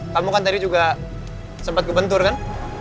kamu kan tadi juga sempat ke bentur kan